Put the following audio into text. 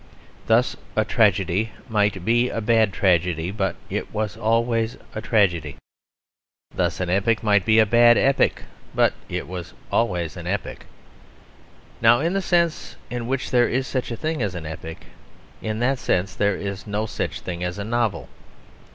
Thus a tragedy might be a bad tragedy, but it was always a tragedy. Thus an epic might be a bad epic, but it was always an epic. Now in the sense in which there is such a thing as an epic, in that sense there is no such thing as a novel.